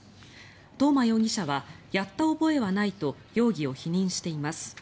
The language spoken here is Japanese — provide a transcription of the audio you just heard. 東間容疑者はやった覚えはないと容疑を否認しています。